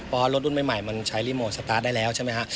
เพราะรถรุ่นใหม่มันใช้รีโมทสตาร์ทได้แล้วใช่ไหมฮะ